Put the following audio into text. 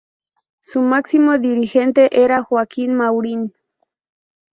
Su máximo dirigente era Joaquín Maurín.